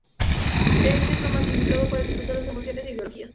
Cree que es lo más indicado para expresar sus emociones e ideologías.